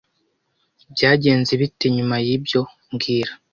Byagenze bite nyuma yibyo mbwira